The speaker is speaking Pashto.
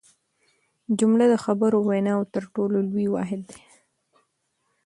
جمله د خبرو او ویناوو تر ټولو لوی واحد دئ.